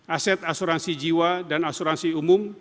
aset asuransi jiwa dan asuransi umum